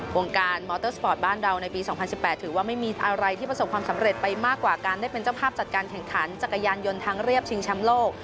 วงการมอเตอร์สปอร์ตบ้านเราในปี๒๐๑๘ถือว่าไม่มีอะไรที่ประสบความสำเร็จไปมากกว่าการได้เป็นเจ้าภาพจัดการแข่งขันจักรยานยนต์ทางเรียบชิงแชมป์โลก